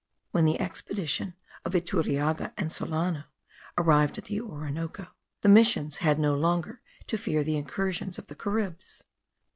When the expedition of Iturriaga and Solano arrived at the Orinoco, the missions had no longer to fear the incursions of the Caribs.